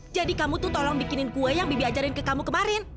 jadi kamu tuh tolong bikinin kue yang bibi ajarin ke kamu kemarin